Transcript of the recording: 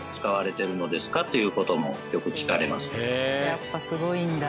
やっぱすごいんだ。